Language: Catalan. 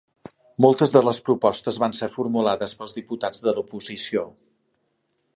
Moltes de les propostes van ser formulades pels diputats de l'oposició.